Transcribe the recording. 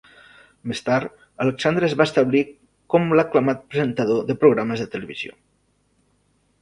Més tard, Alexandre es va establir com l'aclamat presentador de programes de televisió.